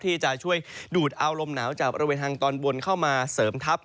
ที่จะช่วยดูดเอาลมหนาวจากบริเวณทางตอนบนเข้ามาเสริมทัพ